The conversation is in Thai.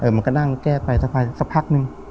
มันก็นั่งแก้ไปสักพักนึง